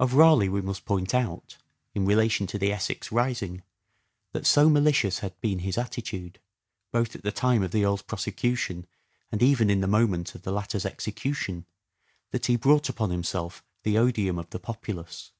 Of Raleigh we must point out, in relation to the Essex rising, that so malicious had been his attitude, both at the time of the Earl's prosecution and even in the moment of the latter's execution, that he brought upon himself the odium of the populace.